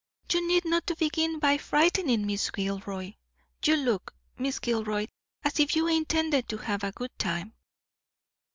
"You need not begin by frightening Miss Gilroy. You look, Miss Gilroy, as if you intended to have a good time."